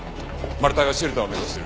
マルタイはシェルターを目指してる。